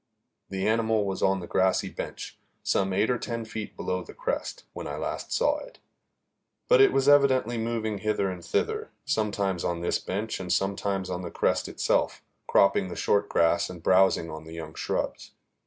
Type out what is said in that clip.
The animal was on the grassy bench, some eight or ten feet below the crest, when I last saw it; but it was evidently moving hither and thither, sometimes on this bench and sometimes on the crest itself, cropping the short grass and browsing on the young shrubs.